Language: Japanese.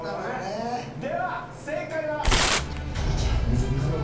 では正解は⁉頼む！